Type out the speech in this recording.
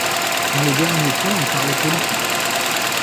Dans le dernier coin, on parlait politique.